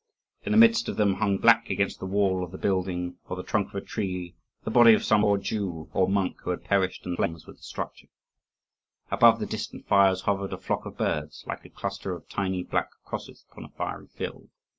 In the midst of them hung black against the wall of the building, or the trunk of a tree, the body of some poor Jew or monk who had perished in the flames with the structure. Above the distant fires hovered a flock of birds, like a cluster of tiny black crosses upon a fiery field.